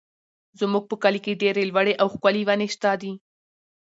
زموږ په کلي کې ډېرې لوړې او ښکلې ونې شته دي.